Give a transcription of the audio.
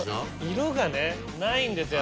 色がねないんですよ